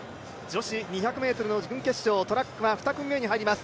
女子２００ｍの準決勝トラックは２組目に入ります。